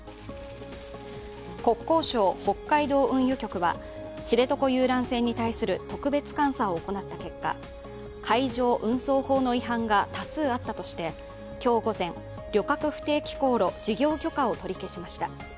国交省北海道運輸局は、知床遊覧船に対する特別監査を行った結果、海上運送法の違反が多数あったとして今日午前、旅客不定期航路事業許可を取り消しました。